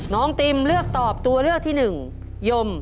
น้องติมเลือกตอบตัวเลือกที่๑ยม